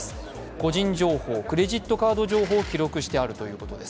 個人情報、クレジットカード情報を記録してあるということです。